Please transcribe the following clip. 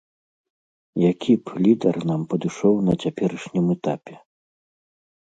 Які б лідар нам падышоў на цяперашнім этапе?